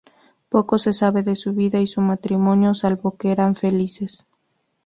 Poco se sabe de su vida y su matrimonio, salvo que eran felices.